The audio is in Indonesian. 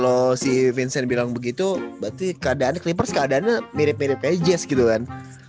ya berarti kalo si vincent bilang begitu berarti keadaannya clippers keadaannya mirip mirip kayak jazz gitu kan